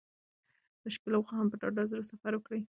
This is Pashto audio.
د شپې له خوا هم په ډاډه زړه سفر وکړئ.